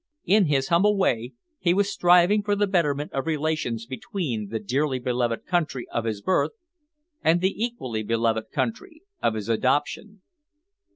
In his humble way he was striving for the betterment of relations between the dearly beloved country of his birth and the equally beloved country of his adoption.